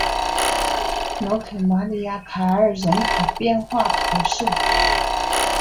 洛克马里亚凯尔人口变化图示